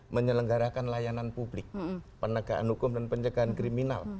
menyelenggarakan layanan publik penegakan hukum dan pencegahan kriminal